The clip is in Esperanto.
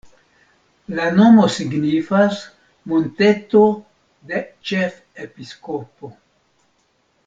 La nomo signifas monteto-de-ĉefepiskopo.